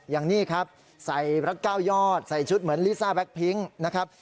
อย่างนี้ครับใส่รัก๙ยอดใส่ชุดเหมือนลิซ่าแบ็คพิ้งนะครับ